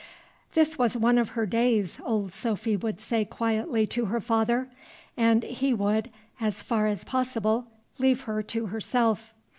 "This is one of her days," old Sophy would say quietly to her father, and he would, as far as possible, leave her to herself.